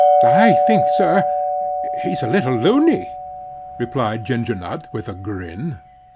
"I think, sir, he's a little luny," replied Ginger Nut with a grin.